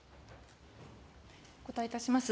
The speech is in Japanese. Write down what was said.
お答えいたします。